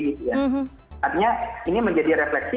gitu ya artinya ini menjadi refleksi